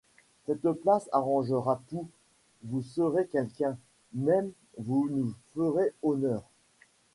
Cette place arrangera tout, vous serez quelqu’un, même vous nous ferez honneur.